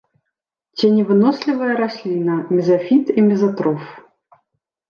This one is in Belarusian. Ценевынослівая расліна, мезафіт і мезатроф.